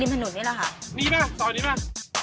นี่มาตอนนี้มา